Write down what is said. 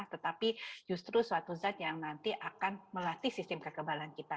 tetapi justru suatu zat yang nanti akan melatih sistem kekebalan kita